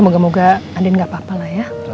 semoga anin gapapa lah ya